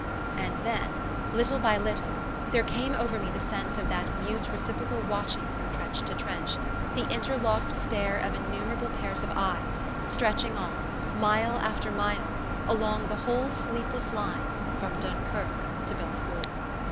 And then, little by little, there came over me the sense of that mute reciprocal watching from trench to trench: the interlocked stare of innumerable pairs of eyes, stretching on, mile after mile, along the whole sleepless line from Dunkerque to Belfort.